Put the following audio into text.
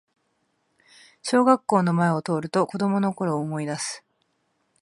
小学校の前を通ると子供のころを思いだす